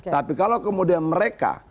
tapi kalau kemudian mereka